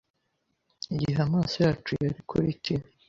Igihe amaso yacu yari kuri tini